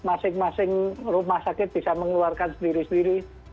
masing masing rumah sakit bisa mengeluarkan sendiri sendiri